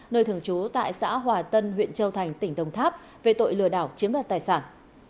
nơi thường trú tại xã hòa tân huyện châu thành tỉnh đồng tháp về tội lừa đảo chiếm đoạt tài sản